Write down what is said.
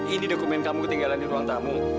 ini dokumen kamu ketinggalan di ruang tamu